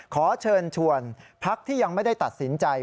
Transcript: ขอเชิญชวนพักที่ยังไม่ได้ตัดสินใจ